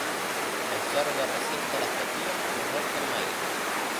El sorgo resiste la sequía mejor que el maíz.